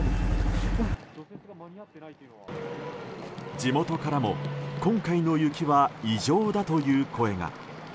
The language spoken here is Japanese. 地元からも今回の雪は異常だという声が。